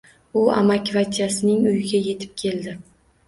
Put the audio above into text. U amakivachchasining uyiga yetib keldi.